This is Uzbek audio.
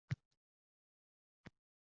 Uning joyida to‘xtab qolganini ko‘rib qoldi